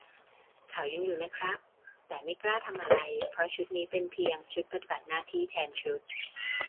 เขายังอยู่นะครับ แต่ไม่กล้าทำอะไร เพราะชุดนี้เป็นเพียง ชุดปฏิบัติหน้าที่แทนชุด